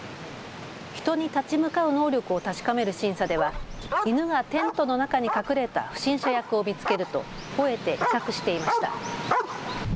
人に立ち向かう能力を確かめる審査では犬がテントの中に隠れた不審者役を見つけるとほえて威嚇していました。